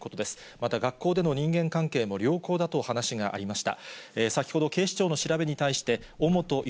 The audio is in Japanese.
また、学校での人間関係も良好だと話がありました。